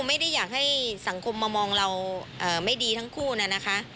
ไม่ได้อยากให้สังคมมามองเราไม่ดีทั้งคู่นะนะคะ